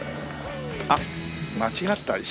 あっ間違った。